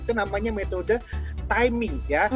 itu namanya metode timing ya